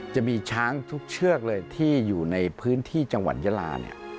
จะมีช้างทุกเชือกเลยที่อยู่ในพื้นที่จังหวัดยาลาเนี่ย